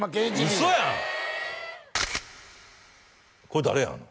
これ誰やの？